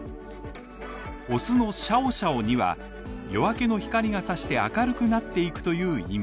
雄のシャオシャオには夜明けの光が差して明るくなっていくという意味。